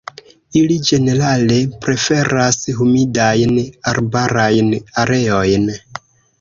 Ili ĝenerale preferas humidajn arbarajn areojn.